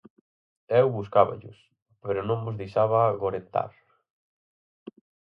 Eu buscáballos, pero non mos deixaba gorentar.